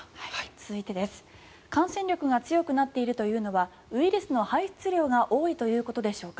続いて、感染力が強くなっているというのはウイルスの排出量が多いということでしょうか。